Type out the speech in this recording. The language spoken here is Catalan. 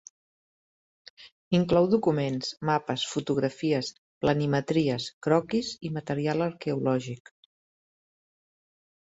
Inclou documents, mapes, fotografies, planimetries, croquis i material arqueològic.